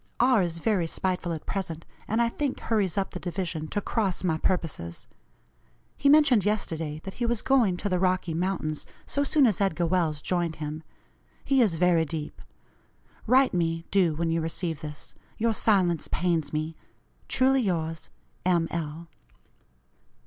R. is very spiteful at present, and I think hurries up the division to cross my purposes. He mentioned yesterday that he was going to the Rocky Mountains so soon as Edgar Welles joined him. He is very deep. Write me, do, when you receive this. Your silence pains me. "Truly yours, "M. L."